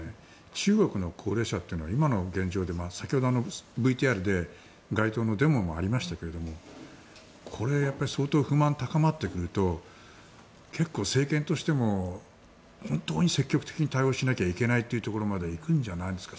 中国の高齢者というのは今の現状で先ほどのＶＴＲで街頭のデモもありましたけどこれやっぱり相当、不満が高まってくると結構、政権としても本当に積極的に対応しなきゃいけないところまで行くんじゃないですか。